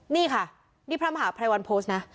นี่ค่ะนี่พระมหาภัยวันโพสต์นะ